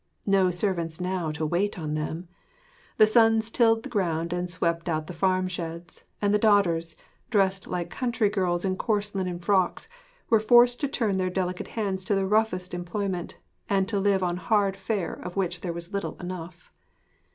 No servants now to wait on them! The sons tilled the ground and swept out the farm sheds; and the daughters, dressed like country girls in coarse linen frocks, were forced to turn their delicate hands to the roughest employment and live on hard fare of which there was little enough.